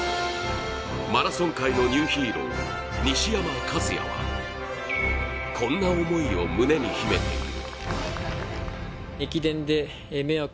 マラソン界のニューヒーロー西山和弥はこんな思いを胸に秘めている。